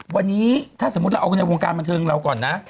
วันนี้ถ้าสมมุติเราเอากันในวงการบันเทิงเราก่อนนะ